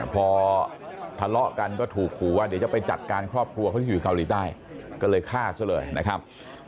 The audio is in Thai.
พอทะเลาะกันก็ถูกขู่ว่าเดี๋ยวจะไปจัดการครอบครัวเขาที่อยู่เกาหลีใต้ก็เลยฆ่าซะเลยนะครับ